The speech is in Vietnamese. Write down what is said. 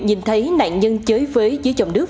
nhìn thấy nạn nhân chơi vế dưới dòng nước